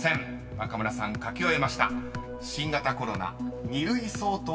［若村さん書き終えました］